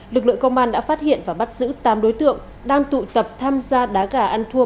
lực lượng công an đã phát hiện và bắt giữ tám đối tượng đang tụ tập tham gia đá gà ăn thua